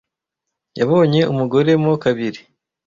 Yabonye umugore mo kabiri